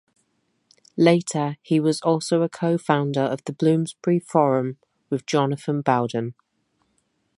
Later he was also a co-founder of the Bloomsbury Forum with Jonathan Bowden.